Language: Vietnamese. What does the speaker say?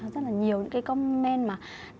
rất là nhiều comment mà